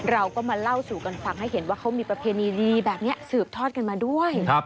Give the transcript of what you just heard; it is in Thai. เราก็มาเล่าสู่กันฟังให้เห็นว่าเขามีประเพณีดีแบบนี้สืบทอดกันมาด้วย